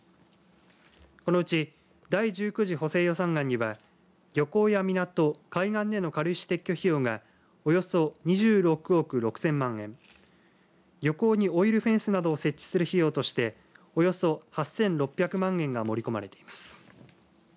このうち第１９次補正予算案には漁港や港海岸での軽石撤去費用がおよそ２６億６０００万円漁港にオイルフェンスなどを設置する費用としておよそ８６００万円が盛り込まれています。